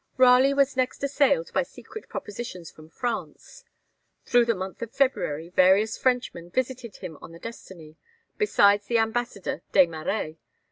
Raleigh was next assailed by secret propositions from France. Through the month of February various Frenchmen visited him on the 'Destiny,' besides the ambassador, Des Marêts.